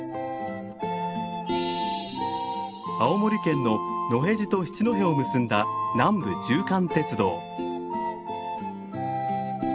青森県の野辺地と七戸を結んだ南部縦貫鉄道。